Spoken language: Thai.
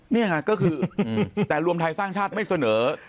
นี่ไงก็คือแต่รวมไทยสร้างชาติไม่เสนอ